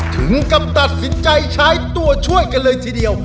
ถึงกำตัดสินใจใช้ตัวช่วยกันเลยทีเดียว